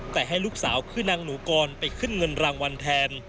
แต่ให้ลูกสาวคือนางหนูกรไปขึ้นเงินรางวัลแทน